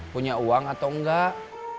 punya uang atau enggak